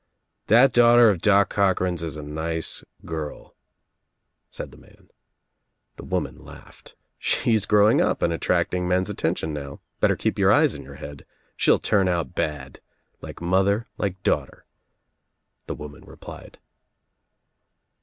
"That daughter of Doc Cochran's is a nice girl," said the man. The woman laughed. "She's growing up and attracting men's attention now. Better keep your eyes in your head. She'll turn out bad. Like mother, like daughter," the woman re plied.